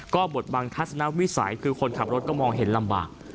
ก็บทบังทัศนวิสัยคือคนขับรถก็มองเห็นลำบาก